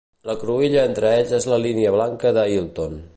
La cruïlla entre ells és la línia blanca de Hilton.